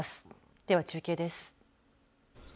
では中継です。